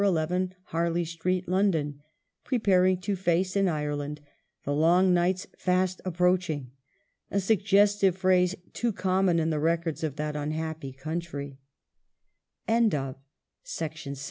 11 Harley Street, London," preparing to face, in Ireland, "the long nights fast approaching," a suggestive phrase too common in the records of that unhappy c